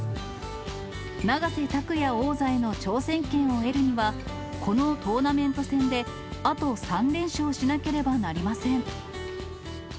永瀬拓矢王座への挑戦権を得るには、このトーナメント戦であと３連勝しなければなりません。